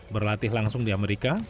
berlatih langsung di amerika